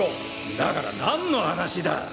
だから何の話だ！？